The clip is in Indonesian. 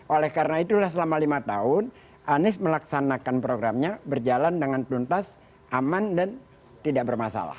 oleh karena itulah selama lima tahun anies melaksanakan programnya berjalan dengan tuntas aman dan tidak bermasalah